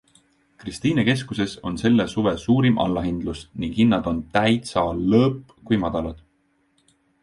Kristiine keskuses on selle suve suurim allahindlus ning hinnad on TÄITSA LÕPP kui madalad.